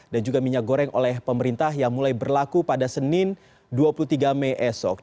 dan juga minyak goreng oleh pemerintah yang mulai berlaku pada senin dua puluh tiga mei esok